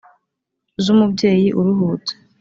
z’umubyeyi uruhutse